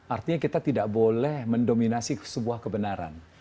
artinya kita tidak boleh mendominasi sebuah kebenaran